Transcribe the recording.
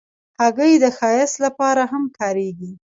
هګۍ د ښایست لپاره هم کارېږي.